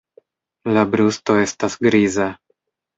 La brusto estas griza.